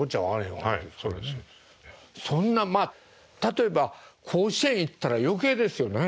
そんなまあ例えば甲子園行ったら余計ですよね。